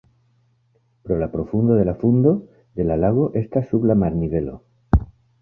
Pro la profundo la fundo de la lago estas sub la marnivelo.